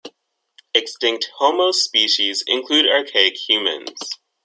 Extinct "Homo" species include archaic humans.